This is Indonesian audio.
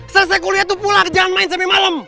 selesai kuliah tuh pulang jangan main sampe malem